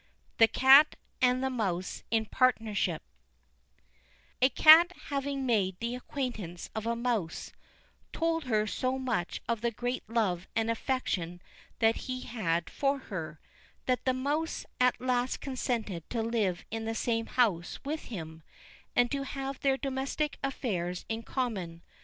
The Cat and the Mouse in Partnership A cat having made the acquaintance of a mouse, told her so much of the great love and affection that he had for her, that the mouse at last consented to live in the same house with him, and to have their domestic affairs in common.